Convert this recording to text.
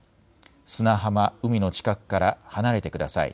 砂浜、海の近くから離れてください。